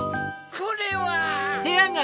これは。